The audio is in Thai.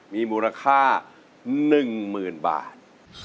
มีมูลค่า๑๐๐๐บาท